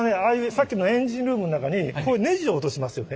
さっきのエンジンルームの中にネジ落としますよね。